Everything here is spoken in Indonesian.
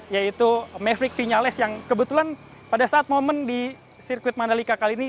yaitu maverick vinales yang kebetulan pada saat momen di sirkuit mandalika kali ini